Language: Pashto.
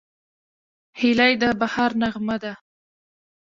هیلۍ د بهار نغمه ده